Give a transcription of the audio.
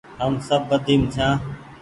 هم سب ٻڌيم ڇآن